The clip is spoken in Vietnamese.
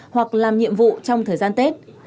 hoặc làm nhiệm vụ trong thời gian tết